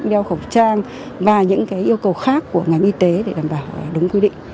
đeo khẩu trang và những yêu cầu khác của ngành y tế để đảm bảo đúng quy định